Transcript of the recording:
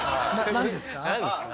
何ですか？